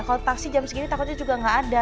kalo taksi jam segini takutnya juga gak ada